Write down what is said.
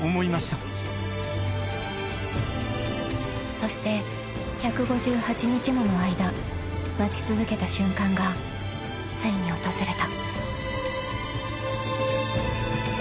［そして１５８日もの間待ち続けた瞬間がついに訪れた］